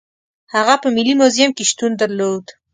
هغه په ملي موزیم کې شتون درلود.